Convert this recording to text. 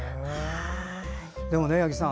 でもね、八木さん